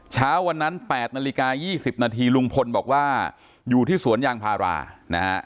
เช้าวันนั้น๘นาฬิกา๒๐นาทีลุงพลบอกว่าอยู่ที่สวนยางพารานะฮะ